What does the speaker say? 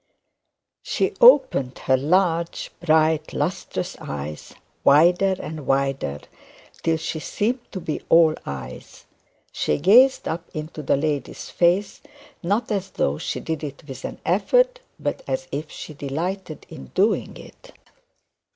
She opened her large bright lustrous eyes wider and wider, till she seemed to be all eyes. She gazed up into the lady's face, not as though she did it with an effort, but as if she delighted in doing it.